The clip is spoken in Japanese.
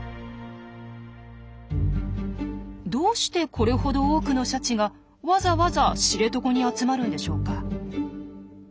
どうしてこれほど多くのシャチがわざわざ知床に集まるんでしょうか？